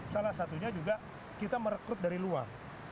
salah satunya juga kita merekrut dari luar